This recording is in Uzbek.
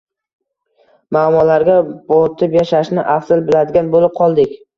muammolarga botib yashashni afzal biladigan bo‘lib qoldik.